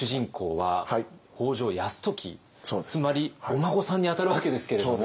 つまりお孫さんにあたるわけですけれども。